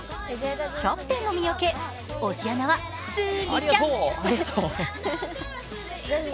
キャプテンの三宅、推しアナはスギちゃん。